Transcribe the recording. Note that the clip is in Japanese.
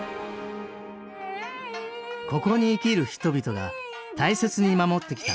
ここに生きる人々が大切に守ってきた